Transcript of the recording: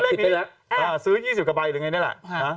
แต่เลขนี้ซื้อ๒๐กระใบหรือไงนี่แหละ